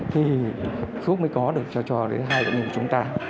thứ khúc mới có được cho hai bệnh nhân của chúng ta